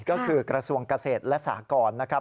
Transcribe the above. ก็คือกระทรวงเกษตรและสากรนะครับ